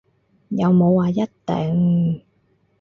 又冇話一定